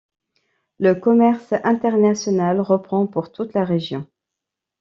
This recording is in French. Le commerce international reprend pour toute la région.